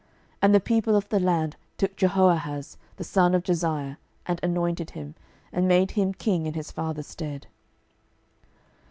And the people of the land took Jehoahaz the son of Josiah, and anointed him, and made him king in his father's stead.